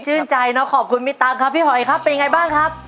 ใจเนอะขอบคุณพี่ตั๊กครับพี่หอยครับเป็นยังไงบ้างครับ